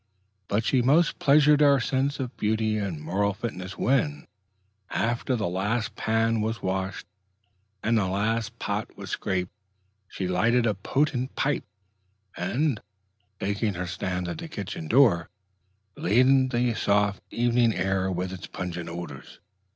But she most pleasured our sense of beauty and moral fitness when, after the last pan was washed and the last pot was scraped, she lighted a potent pipe, and, taking her stand at the kitchen door, laded the soft evening air with its pungent odors.